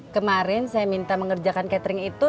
kemarin saya minta mengerjakan catering itu